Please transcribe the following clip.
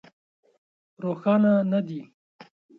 روښانه نه دي.